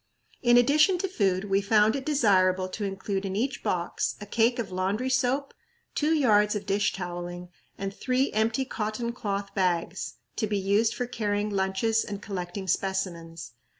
In addition to food, we found it desirable to include in each box a cake of laundry soap, two yards of dish toweling, and three empty cotton cloth bags, to be used for carrying lunches and collecting specimens.